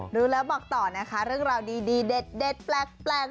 รู้แล้วบอกต่อนะคะเรื่องราวดีเด็ดแปลก